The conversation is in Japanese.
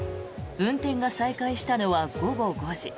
運転が再開したのは午後５時。